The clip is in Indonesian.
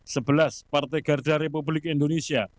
sebelas partai garda republik indonesia